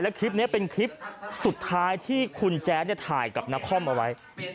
คลิปนี้เป็นคลิปสุดท้ายที่คุณแจ๊ดถ่ายกับนครเอาไว้